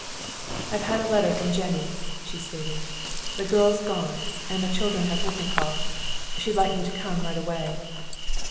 "I've had a letter from Jennie," she stated. "The girl's gone, and the children have whooping cough. She'd like me to come right away."